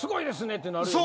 ってなるよね。